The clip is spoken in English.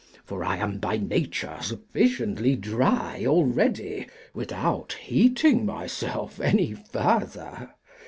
for I am by nature sufficiently dry already, without heating myself any further.